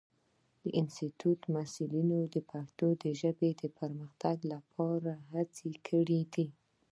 د انسټیټوت محصلینو د پښتو ژبې د پرمختګ لپاره هڅې کړې دي.